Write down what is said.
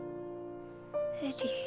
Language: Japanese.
エリー？